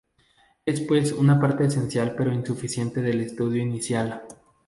Es pues una parte esencial pero insuficiente del estudio inicial.